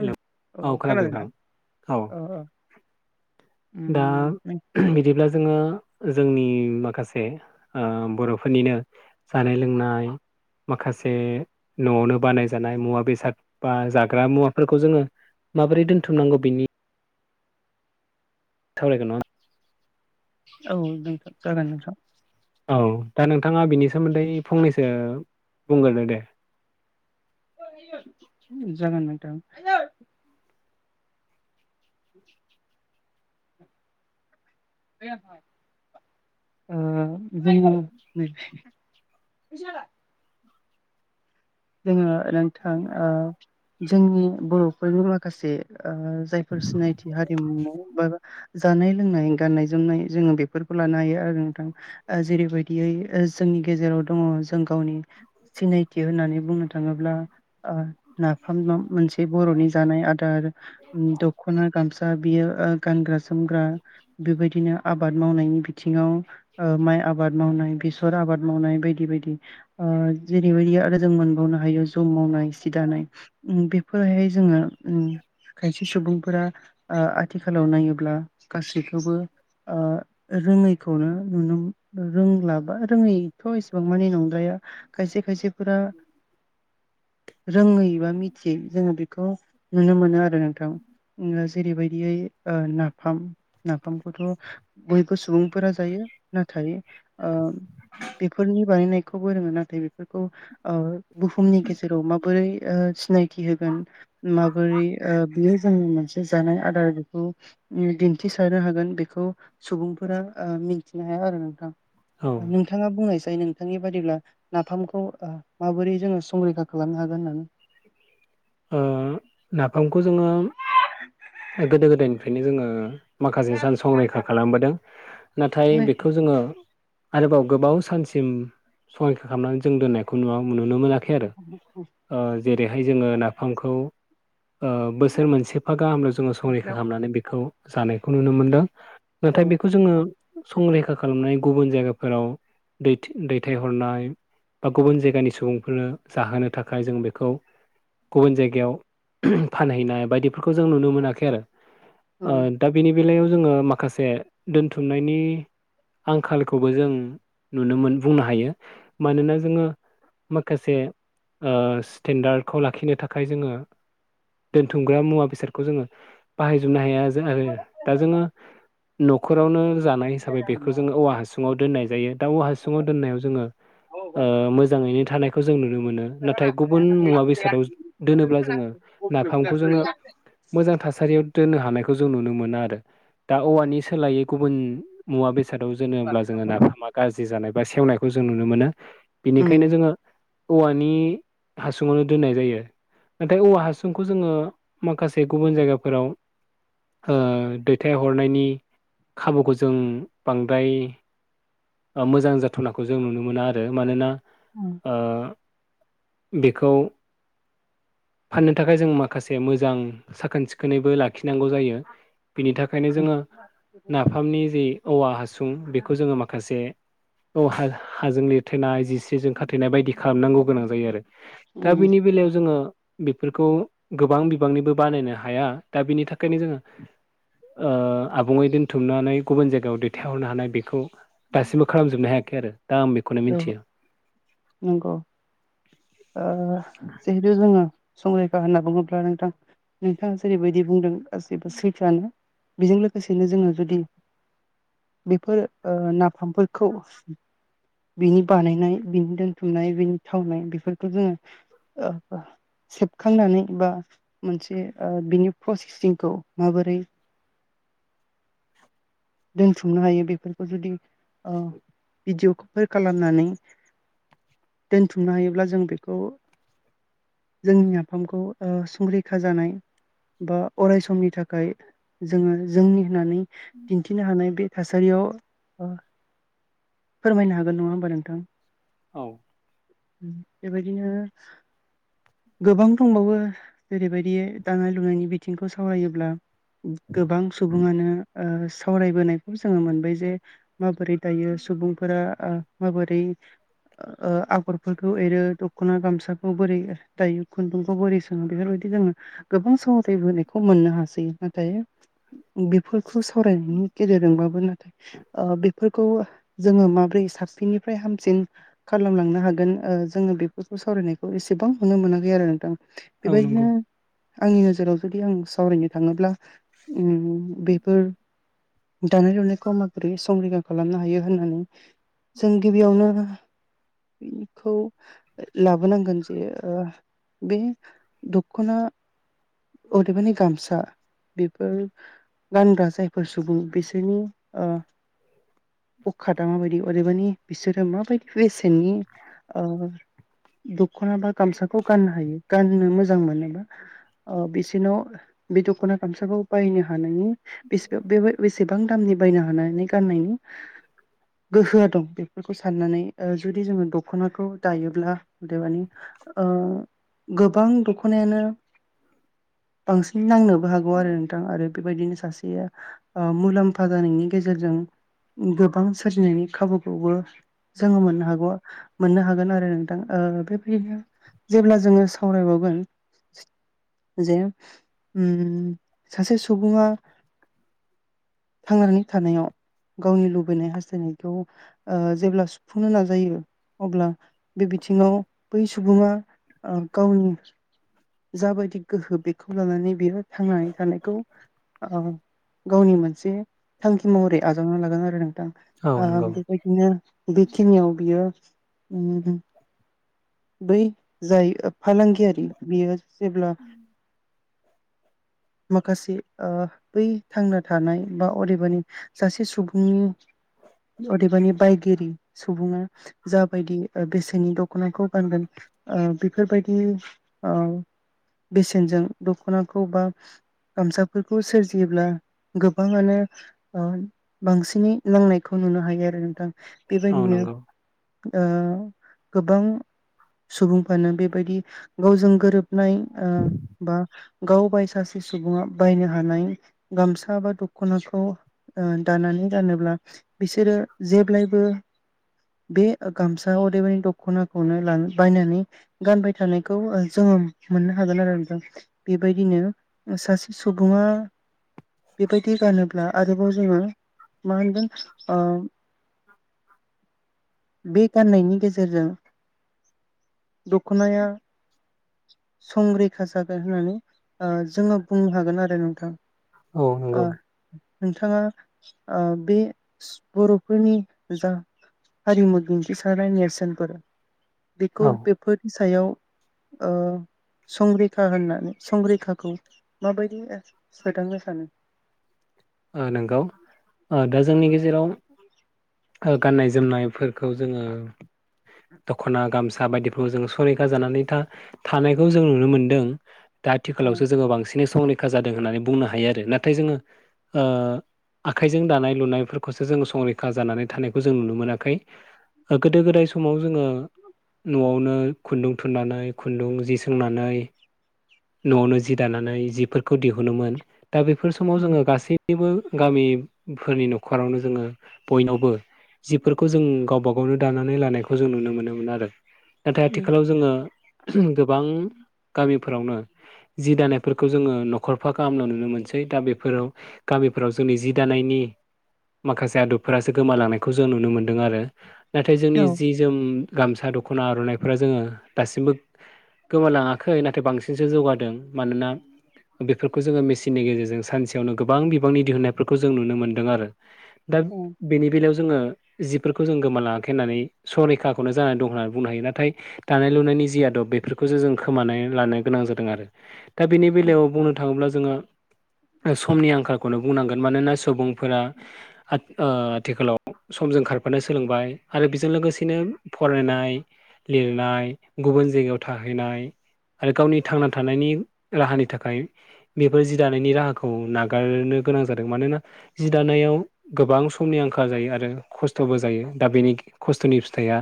Hello औ खोनादों खोनादोंना नोंथां औ दा उम बिदिब्ला जोङो जोंनि माखासे बर'फोरनिनो जानाय लोंनाय माखासे न'आवनो बानायजानाय मुवा बेसाद बा जाग्रा मुवाफोरखौ जोङो माबोरै दोन्थुमनांगौ बिनि थाबायगोन ना औ नोंथां जागोन नोंथां औ दा नोंथाङा बिनि सोमोन्दै फंनैसो बुंग्रोदो दे जागोन नोंथा बे [unintelligible] जोङो नोंथां जोंनि बर'फोरनि माखासे जायफोर सिनायथि हारिमु बा जानाय लोंनाय गाननाय जोमनाय जोङो बेफोरखौ लानो हायो आरो नोंथां जेरैबायदियै जोंनि गेजेराव दङ जों गावनि सिनायथि होननानै बुंनो थाङोब्ला नाफाम मोनसे बर'नि जानाय आदार द ख'ना गामसा बियो गानग्रा सोमग्रा बेबायदिनो आबाद मावनायनि बिथिङाव माइ आबाद मावनाय बेसर आबाद मावनाय बायदि बायदि जेरैबायदि आरो जों मोन नो हायो ज' मावनाय सि दानाय बेफोरहाय जोङो खायसे सुबुंफोरा ओ आथिखालाव नायोब्ला गासैखौबो ओ रोङैखौनो नुनो रोंलाबा रोङै थ इसेबां मानि नंद्राया खायसे खायसेफोरा रोङै बा मिथियै जोङो बेखौ नुनो मोनो आरो नोंथां ओम ना जेरैबायदि दियै नाफाम नाफामखौथ' बयबो सुबुंफोरा जायो नाथाय ओ बेफोरनि बानायनायखौबो रोङो नाथाय बेफोरखौ ओ बुहुमनि गेजेराव माबोरै ओ सिनाय थि होगोन माबोरै ओ बियो जों मोनसे जानाय आदार दिन्थिसारनो हागोन बेखौ सुबुंफोरा ओ मिन मिथिनो हाया आरो नोंथां औ नोंथाङा बुंनायसाय नोंथांनि बादिब्ला नाफामखौ ओ माबोरै जोङो संरैखा खालामनो हागोन होननानै ओ नाफामखौ जोङो गोदो गोदायनिफ्रायनो जोङो माखासे सान संरैखा खालामबोदों नाथाय होननानै बेखौ जोङो आरोबाव गोबाव सानसिम संरैखा खालामनानै जों दोननायखौ नुवा ओ नुनो मोनाखै आरो [unintelligible] ओ जेरैहाय जोङो नाफामखौ ओ बोसोर मोनसेफा गाहामल जोङो संरैखा गस्लायाव खालामनानै बेखौ जानायखौ नुनो मोनदों। औ नाथाय बेखौ जोङो संरैखा खालामनाय गुबुन जायगाफोराव दैथि दैथायहरनाय बा गुबुन जायगानि सुबुंफोरनो जाहोनो थाखाय जों बेखौ गुबुन जायगायाव फानहैनाय बायदिफोरखौ जों नुनो मोनाखै आरो औ ओ दा बेनि बेलायाव जोङो माखासे दोनथुमनायनि आंखालखौबो जों नुनो मोन बुंनो हायो मानोना जोङो माखासे ओ स्टेन्डार्डखौ लाखिनो थाखाय जोङो दोनथुमग्रा मुवा बेसादखौ जोङो बाहायजोबनो हाया आरो दा जोङो नखरावनो जानाय हिसाबै बेखौ जोङो औवा हासुङाव दोननाय जायो दा औवा हासुङाव दोननायाव जोङो ओ मोजाङैनो थानायखौ जों नुनो मोनो नाथाय गुबुन मुवा बेसादाव दोनोब्ला जोङो नाफामखौ जोङो मोजां थासारियाव दोननो हानायखौ जों नुनो मोना आरो। दा औवानि सोलायै गुबुन मुवा बेस सादाव जोनोब्ला जोङो नाफामा गाज्रि जानाय बा सेवनायखौ जों नुनो मोनो। उम बेनिखायनो जोङो औवानि हासुङावनो दोननाय जायो। नाथाय औवा हासुंखौ जोङो माखासे गुबुन जायगाफोराव ओ दैथायहरनायनि खाबुखौ जों बांद्राय ओ मोजां जाथनाखौ जों नुनो मोना आरो मानोना? [unintelligible] ओ बेखौ फाननो थाखाय जों माखासे मोजां साखोन सिखोनैबो लाखिनांगौ जायो बेनि थाख खायनो जोङो नाफामनि जि औवा हासुं बेखौ जोङो माखासे औ हा-हाजों लिरथेनाय जिस्रिजों खाथेनाय बायदि खालामनांगौ गोनां जायो आरो। दा उम बेनि बेलायाव जोङो बेफोरखौ गोबां बिबांनिबो बानायनो हाया दा बिनि थाखायनो जोङो ओ आबुङै दोनथुमनानै गुबुन जायगायाव दैथायहरनो हानाय बेखौ दासिमबो खालामजोबनो हायाखै आरो दा आं बेखौनो औ मिन्थियो। नंगौ ओ जिहेतु जोङो संरैखा होनना बुङोब्ला नोंथां नोंथाङा जेरैबायदि बुंदों गासैबो सैथोआनो। बेजों लोगोसेनो जोङो जुदि बेफोर ओ नाफामफोरखौ बिनि बानायनाय बिनि दोनथुमनाय बेनि थावनाय बेफोरखौ जोङो ओ ओ सेबखांनानै बा मोनसे ओ बिनि प्रसेसिंखौ माबोरै दोनथुमनो हायो बेफोरखौ जुदि भिडिअ फोर खालामनानै दोनथुमनो हायोब्ला जों बेखौ जोंनि नाफामखौ संरैखा जानाय बा अराय समनि थाखाय जोङो जोंनि होननानै दिन्थिनो हानाय बे थासारियाव फोरमायनो हागोन नङा होमबा नोंथां? औ बेबायदिनो गोबां दंबावो जेरैबायदि दानाय लुनायनि बि बिथिंखौ सावरायोब्ला गोबां सुबुं सुबुङनो सावरायबोनायखौ जोङो मोनबाय जे माबोरै दायो सुबुंफोरा माबोरै आगरफोरखौ एरो दख'ना गामसाखौ बोरै दायो खुन्दुंखौ बोरै स बेफोरबायदि जोङो गोबां सहथबोनायखौ मोननो हासै नाथाय बेफोरखौ सावरायनायनि गेजेरजोंबाबो नाथाय बेफोरखौ जोङो माब्रै साबसिननिफ्राय हामसिन खालामलांनो हागोन जोङो बेफोरखौ सावरायनाय एसेबां नुनो मोनाखै आरो नोंथां बेबायदिनो नंगौ आंनि नोजोराव जुदि आं सावरायनो थाङोब्ला बेफोर दानाय लुनायखौ माबोरै संरिखा खालामनो हायो होननानै जों गिबियावनो बेखौ लाबोनांगोन जे बे दखना अदेबानि गामसा बेफोर गानग्रा जायफोर सुबुं बिसोरनि [unintelligible] अखाादा माबायदि अदेबानि बिसोरो माबायदि बेसेननि दखना बा गामसाखौ गाननो हायो गाननो मोजां मोनोबा बिसिोरनाव बे दख'ना गामसाखौ बायनो हानायनि बे बे बेसेबां दामनि बायनो हानानै गाननायनि गोहोआ दं बेफोरखौ साननानै जुदि जोङो दख'नाखौ दायोब्ला अदे मानि गोबां दख'नायानो बांसिन नांनोबो हागोन आरो नोंथां आरो बेबायदिनो सासे मुलाम्फा जानायनि गेजेरजों गोबां सोरजिनायनि खाबुखौबो जोङो मोननो हागौ मोननो हागोन आरो नोंथां बेबायदिनो जेब्ला जोङो सावरायबावगोन जे सासे सुबुङा थांनानै थानायाव गावनि लुबैनाय हास्थायनायखौ जेब्ला सुफुंनो नाजायो अब्ला बे बिथिङाव बै सुबुङा गावनि जाबायदि गोहो बेखौ लानानै बियो थांनानै थानायखौ औ गावनि मोनसे थांखि महरै आजावना लागोन आरो नोंथां औ आ नंगौ बेखनो बेखिनि आ बेैयो बै जाय फालांगियारि बियो जेब्ला [unintelligible] माखासे बै थांना थानाय बा अदेबानि सासे सुबुंनि अदेबानि बायगिरि सुबुङा जाबायदि बेसेनि दख'नाखौ गानगोन बेफोरबायदि बेसेनजों दखनाखौ बा गामसाफोरखौ सोरजियोब्ला गोबाङानो बांसिनै नांनायखौ नुनो हायो आरो नोंथां औ बेबायदिनो नंगौ गोबां सुबुंफ्रानो बेबायदि गावजों गोरोबनाय बा गाव बाय सासे सुबुङा बायनो हानाय गामसा बा दख'नाखौ दानानै गानोब्ला बिसोरो जेब्लायबो बे गामसा अदेबानि दख'नाखौनो बायनानै गानबाय थानाय खौ जोंङो मोननो हागोन आरो नोंथां बेबायदिनो सासे सुबुंङा बेबायदि गानोब्ला आरोबाव जोंङो माहोनगोन ओ [inaudible] बे गाननायनि गेजेरजों दख'नाया संरैखा जागोन होननानै ओ जोंङो बुंनो हागोन आरो नोंथां ओ औ नोंथांङा ओ बे बर'फोरनि जा हारिमु दिन्थिसारनाय नेरसोनफोर बेखौ बेफोरनि सायाव संरैखा होननानै संरैखाखौ माबायदि सोदांनो सानो ओ नंगौ ओ दा जोंनि गेजेराव गाननाय-जोमनायफोरखौ जोंङो दख'ना गामसा बायदिफ्राव जों संरैखा जानानै था थानायखौ जों नुनो मोनदों। दा उम आथिखालावसो जोंङो बांसिनै संरैखा जादों होननानै बुंनो हायो आरो नाथाय जोंङो ओ आखाइजों दानाय लुनायफोरखौसो जोंङो संरैखा जानानै थानायखौ जों नुनो मोनाखै। गोदो-गोदाय समाव जोंङो न'आवनो खुन्दुं थुननानै खुन्दुं जि सोंनानै न'आवनो जि दानानै जिफोरखौ दिहुनोमोन दा बेफोर समाव जोंङो गासै बबो गामिफोरनि न'खरावनो जोंङो बयनावबो जिबफोरखौ जों गावबा गावनो दानानै लानायखौ जों नुनो मोनोमोन आरो। नाथाय उम आथिखालाव जोंङो गोबां गामिफोरावनो जि दानायफोरखौ जोंङो न'खरफा गाहामनायाव नुनो मोनसै दा बेफोराव गामिफोराव जोंनि जि दानायनि माखासे आदबफोरासो गोमालांनायखौ जों नुनो मोनदों आरो नाथाय जोंनि औ जि जों गामसा दख'ना आर'नाइफोरा जोंङो दासिमबो गोमालांङाखै नाथाय बांसिनसो जौगादों मानोना। बेफोरखौ जोंङो मेसिननि गेजेरजों सानसेयावनो गोबां गोबां बिबांनि दिहुननायफोरखौ जों नुनो मोनदों आरो दा- उम बेनि बेलायाव जोंङो जिफोरखौ जों गोमालाङाखै होननानै संरैखाखौनो जानानै दं होननानै बुंनो हायो नाथाय दानाय-लुनायनि जि आदब बेफोरखौसो जों खोमानानै लानो गोनां जादों आरो। दा बेनि बेलायाव बुंनो थांङोब्ला जोंङो समनि आंखालखौनो बुंनांगोन मानोना सुबुंफोरा ओ आथिखालाव समजों खारफानो सोलोंबाय आरो बेजों लोगोसेनो फरायनाय लिरनाय गुबुन जायगायाव थाहैनाय आरो गावनि थांना थानायनि राहानि थाखाय बेफोर जि दानायनि राहाखौ नागारनो गोनां जादों मानोना। जि दानायाव गोबां समनि आंखाल जायो आरो खस्थ'बो जायो दा बेनि खस्थ'नि फिथाइया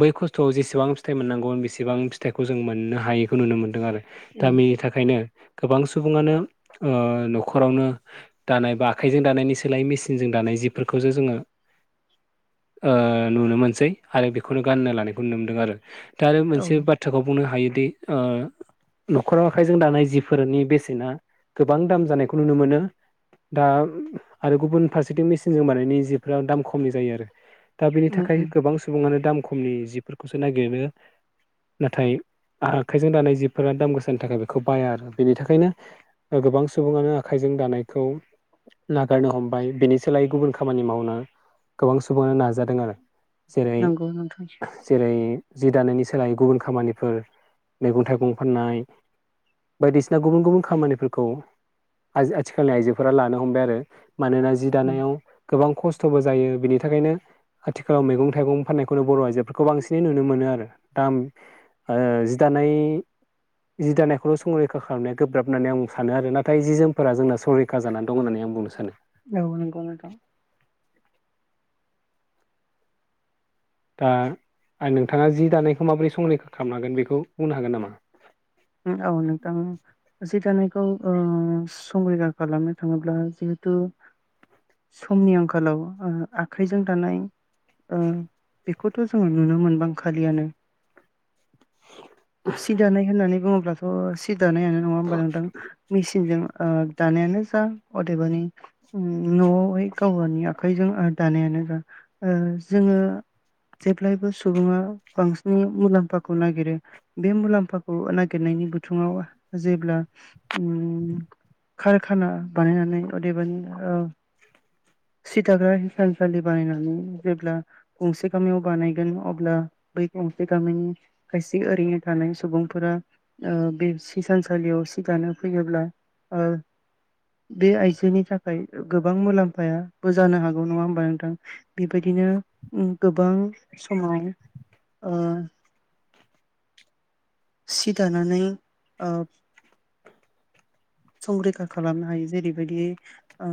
बै खस्थ'आव जेसेबां फिथाइ मोननांगौ बेसेबां फिथाइखौ जों मोननो हायैखौ नुनो मोनदों आरो। दानि थाखायनो गोबां सुबुंङानो न'खर न'खरावनो दानाय बा आखाइजों दानायनि सोलायै मेसिनजों दानाय जिफोरखौसो जोंङो ओ नुनो मोनसै आरो बेखौनो गाननो लानायखौ नुनो मोनदों आरो दा आरो औ मोनसे बाथ्रा खोथाखौ बुंनो हायोदि ओ न'खराव आखाइजों दानाय जिफोरनि बेसेना गोबां दाम जानायखौ नुनो मोनो। दा आरो गुबुन फारसेथिं मेसिनजों बानायनाय जिफ्रा दाम खमनि जायो आरो। दा बेनि उम थाखाय उम गोबां सुबुंङानो दाम खमनि जिफोरखौसो नागिरनो नाथाय आखाइजों दानाय जिफोरा दाम गोसानि थाखाय बेखौ बाया आरो बेनि थाखायनो गोबां सुबुंङानो आखाइजों दानायखौ नागारनो हमबाय बिनि सोलायै गुबुन खामानि मावनो गोबां सुबुंङानो नाजादों आरो। जेरै नंगौ नोंथां जेरै जि दानायनि सोलायै गुबुन खामानिफोर मैगं थाइगं फाननाय बायदिसिना गुबुन गुबुन खामानिफोरखौ आजि-आथिखालनि आइजोफोरा लानो हमबाय आरो मानोना जि उम दानायाव गोबां खस्थ'बो जायो बिनि थाखायनो आथिखालाव मैगं थाइगं फाननायखौनो बर' आइजोफोरखौ बांसिनै नुनो मोनो आरो दा ओं जि दानाय जि दानायखौल' संरैखा खालामनाया गोब्राब होननानै आं सानो आरो नाथाय जि जोम फोरा जोंना संरैखा जानानै दं होननानै आं बुंनो सानो। औ नंगौ नोंथां। दा आंनो नोंथाङा जि दानायखौ माबोरै संरैखा खालामनो हागोन बेखौ बुंनो हागोन नामा? ओम औ नोंथां जि दानायखौ ओं संरैखा खालामनो थाङोब्ला जिहेथु समनि आंखालाव ओं आखाइजों दानाय ओं बेखौथ' जोङो नुनो मोनबां खालियानो। सि दानाय होननानै बुङोब्लाथ' सि दानायानो नङा होमबा नोंथां? मेसिनजों ओ दानायानो जा अदेबानि न'आवहाय गाव गावनि आखाइजों दानायानो जा ओं जोङो जेब्लायबो सुबुङा बांसिन मुलाम्फाखौ नागिरो बे मुलाम्फाखौ नागिर नागिरनायनि बुथुङाव जेब्ला ओम खारखाना बानायनानै अदेबानि ओं सि दाग्रा हिसानसालि बानायनानै जेब्ला गंसे गामियाव बानायगोन अब्ला बै गंसे गामिनि खायसे ओरैनो थानाय सुबुंफोरा ओं बे सि हिसानसालियाव सि दानो फैयोब्ला ओं बे आइजोनि थाखाय गोबां मुलाम्फायाबो जानो हागौ नङा होमबा नोंथां? बेबायदिनो गोबां समाव ओं सि दानानै ओं संरैखा खालामनो हायो जेरैबायदि ओ